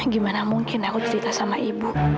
gimana mungkin aku cerita sama ibu